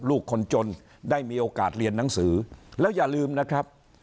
ลูกคนจนได้มีโอกาสเรียนหนังสือแล้วอย่าลืมนะครับ